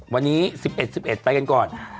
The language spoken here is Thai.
วันนี้๑๑๑๑ไปกันก่อน